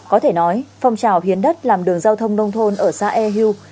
có thể nói phong trào hiến đất làm đường giao thông nông thôn ở xã e hu